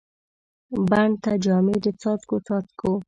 بڼ ته جامې د څاڅکو، څاڅکو